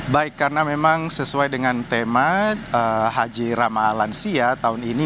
baik karena memang sesuai dengan tema haji ramalansia tahun ini